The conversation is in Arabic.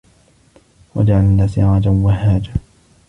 وَجَعَلنا سِراجًا وَهّاجًا